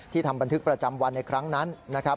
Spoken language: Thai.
ทำบันทึกประจำวันในครั้งนั้นนะครับ